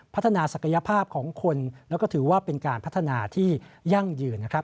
พัฒนาศักยภาพของคนแล้วก็ถือว่าเป็นการพัฒนาที่ยั่งยืนนะครับ